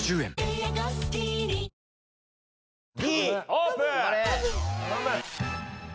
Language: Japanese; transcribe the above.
Ｄオープン。